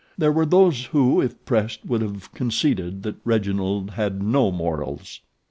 There were those who, if pressed, would have conceded that Reginald had no morals.